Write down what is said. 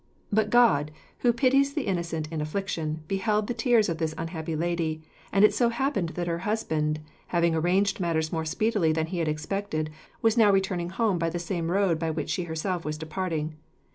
But God, who pities the innocent in affliction, beheld the tears of this unhappy lady, and it so happened that her husband, having arranged matters more speedily than he had expected, was now returning home by the same road by which she herself was departing.